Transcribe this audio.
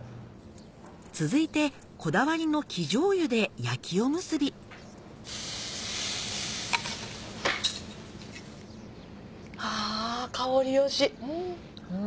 続いてこだわりの生醤油で焼きおむすびあ香り良し。